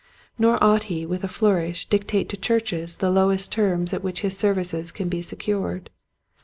Nor ought he with a flourish dictate to churches the lowest terms at which his services can be secured.